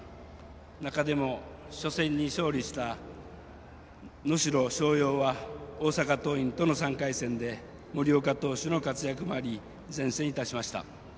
中でも初戦に勝利した能代松陽は大阪桐蔭との３回戦で森岡投手の活躍もあり善戦しました。